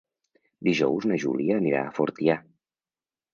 Dijous na Júlia anirà a Fortià.